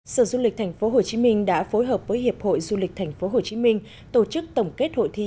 sở du lịch tp hcm đã phối hợp với hiệp hội du lịch tp hcm tổ chức tổng kết hội thi